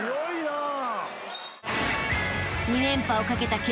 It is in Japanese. ［２連覇をかけた決勝戦］